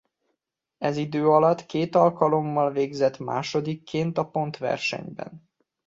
Ez idő alatt két alkalommal végzett másodikként a pontversenyben.